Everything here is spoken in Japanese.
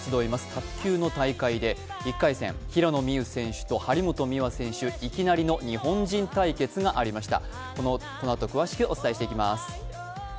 卓球の大会で１回戦、平野美宇選手と張本美和選手、いきなりの日本人対決がありました。